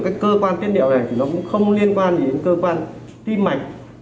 cái cơ quan tiết niệm này thì nó cũng không liên quan gì đến cơ quan tim mạch